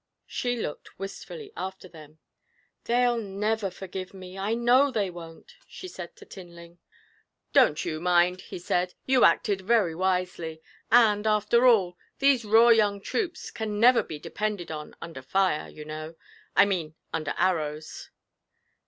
She looked wistfully after them. 'They'll never forgive me I know they won't!' she said to Tinling. 'Don't you mind,' he said, 'you acted very wisely. And, after all, these raw young troops can never be depended on under fire, you know I mean, under arrows.'